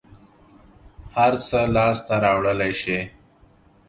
هر څه لاس ته راوړلى شې.